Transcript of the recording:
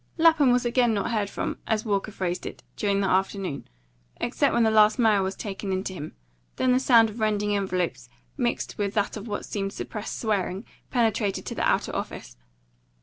Lapham was not again heard from, as Walker phrased it, during the afternoon, except when the last mail was taken in to him; then the sound of rending envelopes, mixed with that of what seemed suppressed swearing, penetrated to the outer office.